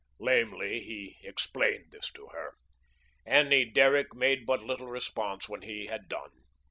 Lamely, he explained this to her. Annie Derrick made but little response when he had done.